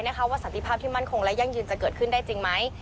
ว่าสันติภาพที่มั่นคงและยั่งยืนจะเกิดขึ้นได้จริงไหม